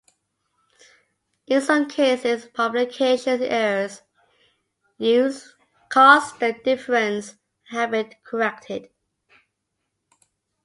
In some cases, publications errors caused the difference and have been corrected.